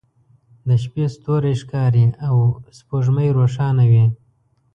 د شپې ستوری ښکاري او سپوږمۍ روښانه وي